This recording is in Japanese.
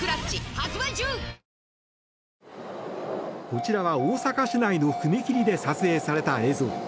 こちらは、大阪市内の踏切で撮影された映像。